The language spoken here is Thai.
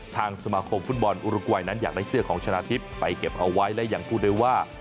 ทางสมาคมฟุตบอลอุรกวัยนั้นอยากได้เสื้อของชนะทิพย์ไปเก็บเอาไว้และยังพูดได้ว่า